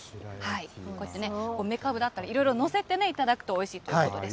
こうやってめかぶだったり、いろいろ載せてね、頂くと、おいしいということです。